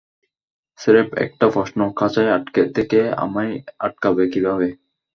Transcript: স্রেফ একটা প্রশ্ন, খাঁচায় আটকে থেকে আমায় আটকাবে কীভাবে?